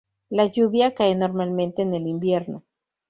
La lluvia cae normalmente en el invierno.